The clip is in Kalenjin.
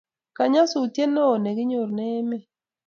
kinyasutiet newon ne kinyor emet